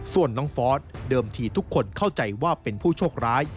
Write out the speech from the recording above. ส่วนน้องฟอสเดิมทีทุกคนเข้าใจว่าเป็นผู้โชคร้าย